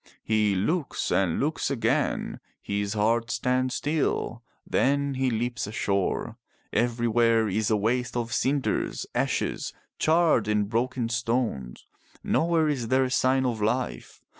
He looks and looks again. His heart stands still. Then he leaps ashore. Everywhere is a waste of cinders, ashes, charred and broken stones. Nowhere is there a sign of life.